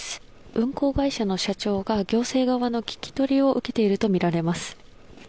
運航会社の社長が行政側の聞き取りを受けているとみられます。